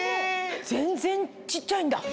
全然小っちゃいんだ。